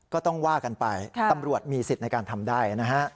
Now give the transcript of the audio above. ก็ต้องว่ากันไปตำรวจมีสิทธิ์ในการทำได้นะฮะ